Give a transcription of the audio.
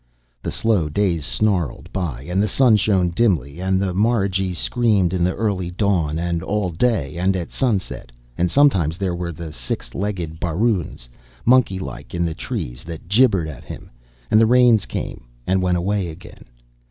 The slow days snarled by, and the sun shone dimly, and the marigees screamed in the early dawn and all day and at sunset, and sometimes there were the six legged baroons, monkey like in the trees, that gibbered at him. And the rains came and went away again.